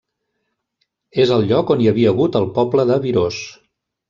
És el lloc on hi havia hagut el poble de Virós.